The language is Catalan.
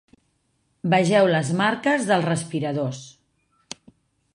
Vegeu les marques dels respiradors.